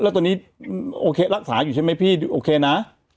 แล้วตอนนี้โอเครักษาอยู่ใช่ไหมพี่โอเคนะ